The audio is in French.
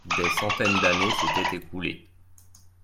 Des centaines d'années s'étaient écoulées.